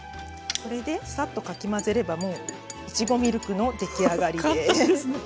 これでさっとかき混ぜればもういちごミルクの出来上がりです。